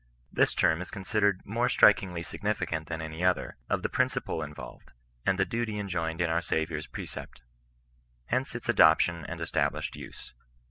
This term is considered more strudngly significant than any other, of the principle iDYoWed, and the duty enjoined in our Saviour's precept. Hence its adoption and established use.